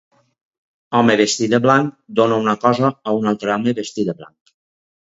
Home vestit de blanc dona una cosa a un altre home vestit de blanc.